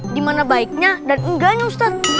dimana baiknya dan enggaknya ustadz